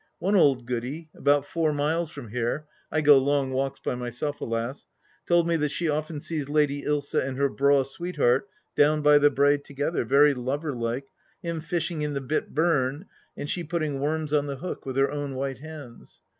One old Goody, about four miles from here — I go long walks, by myself, alas !— ^told me that she often sees Xady Ilsa and her braw sweetheart down by the brae together, very lover like, him fishing in the bit burn and she putting worms on the hook with her own white hands.